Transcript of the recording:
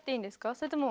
それとも。